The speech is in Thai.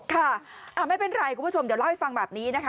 ค่ะไม่เป็นไรคุณผู้ชมเดี๋ยวเล่าให้ฟังแบบนี้นะคะ